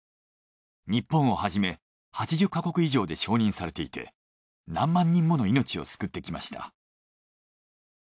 日本をはじめ８０か国以上で承認されていて何万人もの命を救ってきました。